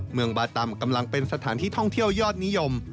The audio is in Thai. เมืองบาตำกำลังเป็นสถานที่ท่องเที่ยวยอดนิยม